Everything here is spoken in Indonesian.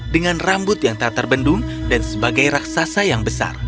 dengan rambut yang tak terbendung dan sebagai raksasa yang besar